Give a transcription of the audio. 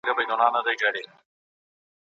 هره سوله یې نیمګړې هر یو جنګ یې ناتمام دی